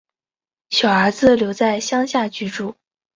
小儿子留在乡下居住